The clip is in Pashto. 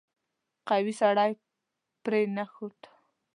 قوي سړی پرې نه ښود.